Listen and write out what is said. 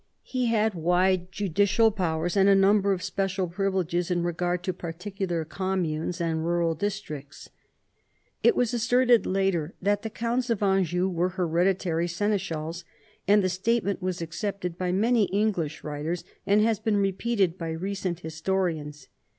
He had wide judicial powers and a number of special privileges in regard to particular communes and rural districts. It was asserted later that the counts of Anjou were hereditary seneschals, and the statement was accepted by many English writers, and has been repeated by recent historians.